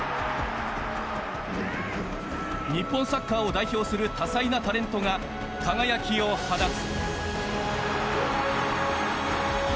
日本サッカーを代表する多彩なタレントが輝きを放つ。